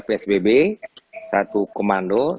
psbb satu komandonya